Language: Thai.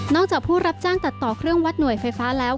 จากผู้รับจ้างตัดต่อเครื่องวัดหน่วยไฟฟ้าแล้ว